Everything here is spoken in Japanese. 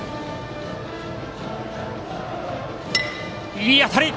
いい当たり！